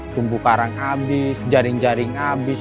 tumbuh karang habis jaring jaring habis